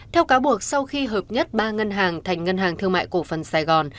theo cáo buộc sau khi hợp nhất ba ngân hàng thành ngân hàng thương mại cổ phần sài gòn